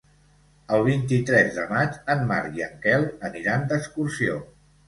El vint-i-tres de maig en Marc i en Quel aniran d'excursió.